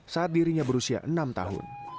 saat dirinya berusia enam tahun